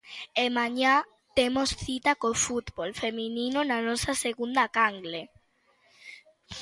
E mañá temos cita co fútbol feminino na nosa segunda canle.